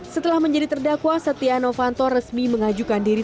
setelah menjadi terdakwa setianofanto resmi mengajukan diri